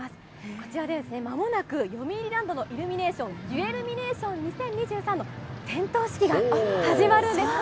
こちらは、まもなく、よみうりランドのイルミネーション、ジュエルミネーション２０２３の点灯式が始まるんです。